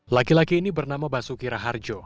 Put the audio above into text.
laki laki ini bernama basukira harjo